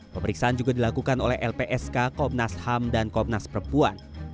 pemeriksaan juga dilakukan oleh lpsk komnas ham dan komnas perempuan